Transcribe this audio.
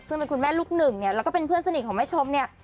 ซึ่งเป็นคุณแม่ลูกหนึ่งเนี่ยแล้วก็เป็นเพื่อนสนิทของแม่ชมเนี่ย